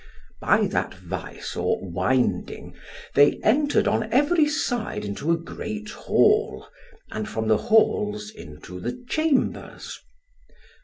By that vise or winding they entered on every side into a great hall, and from the halls into the chambers.